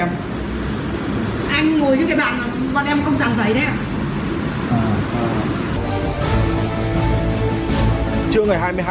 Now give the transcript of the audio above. anh ngồi chứ cái bàn mà con em không tặng giấy đấy ạ